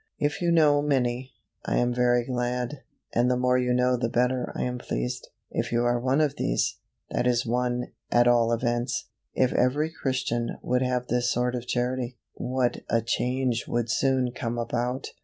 If you know many, I am very glad, and the more you know the better I am pleased. If you are one of these, that is one, at all events. If every Christian would have this sort of Charity, what a change would soon come about.